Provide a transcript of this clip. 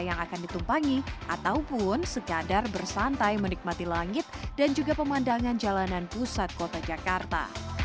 yang akan ditumpangi ataupun sekadar bersantai menikmati langit dan juga pemandangan jalanan pusat kota jakarta